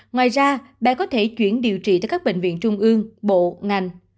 ngoài ra bé có thể chuyển điều trị tại các bệnh viện trung ương bộ ngành